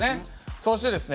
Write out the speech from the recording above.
そしてですね